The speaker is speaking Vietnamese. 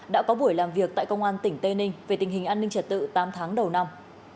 đã có buổi làm việc tại công an tỉnh tây ninh về tình hình an ninh trật tự tám tháng đầu năm